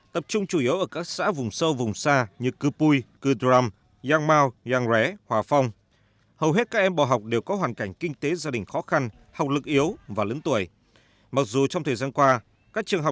tập trung chủ yếu ở các xã vùng sâu vùng xa như cư pui cư trao